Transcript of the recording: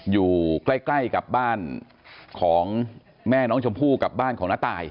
อยู่ใกล้กับบ้านของแม่น้องชมพู่กับบ้านของน้าตาย